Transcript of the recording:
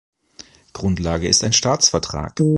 Grundlage ist ein Staatsvertrag.